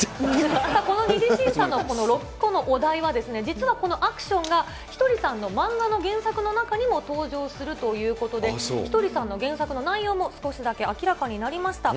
この２次審査の６個のお題は、実はこのアクションがひとりさんの漫画の原作の中にも登場するということで、ひとりさんの原作の内容も少しだけ明らかになりました。